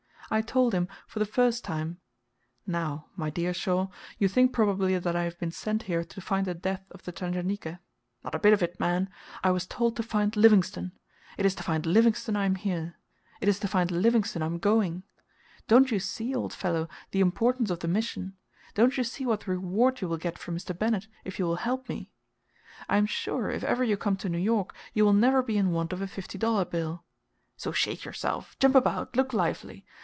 I told him, for the first time, "Now, my dear Shaw, you think probably that I have been sent here to find the depth of the Tanganika. Not a bit of it, man; I was told to find Livingstone. It is to find Livingstone I am here. It is to find Livingstone I am going. Don't you see, old fellow, the importance of the mission; don't you see what reward you will get from Mr. Bennett, if you will help me? I am sure, if ever you come to New York, you will never be in want of a fifty dollar bill. So shake yourself; jump about; look lively.